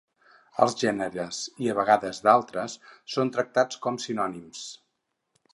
Els gèneres i a vegades d'altres són tractats com sinònims.